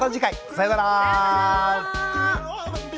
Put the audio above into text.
さようなら。